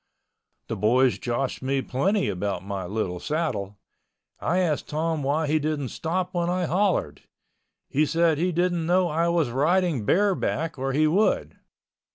The boys joshed me plenty about my little saddle. I asked Tom why he didn't stop when I hollered. He said he didn't know I was riding bareback or he would.